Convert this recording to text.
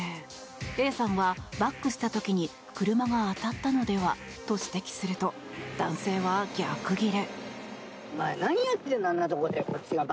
Ａさんはバックした時に車が当たったのではと指摘すると男性は逆ギレ。